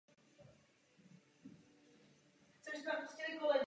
Ve světské hudbě se používají buď jako sólové nástroje nebo v kombinaci s jinými.